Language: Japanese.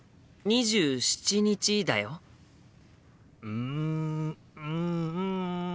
うんううん。